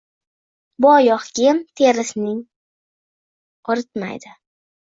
Bu oyoq kiyim terisining quritmaydi.